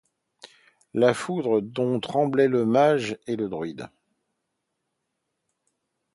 La foudre, dont tremblaient le mage et le druide